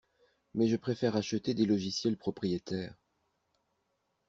Mais je préfère acheter des logiciels propriétaires.